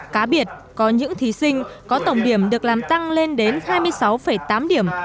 cá biệt có những thí sinh có tổng điểm được làm tăng lên đến hai mươi sáu tám điểm